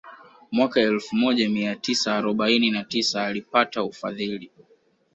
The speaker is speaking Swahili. Mwaka elfu moja mia tisa arobaini na tisa alipata ufadhili